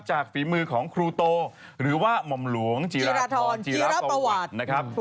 ฝีมือของครูโตหรือว่าหม่อมหลวงจีรทรจีรประวัตินะครับ